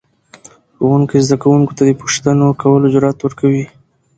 ښوونکی زده کوونکو ته د پوښتنو کولو جرأت ورکوي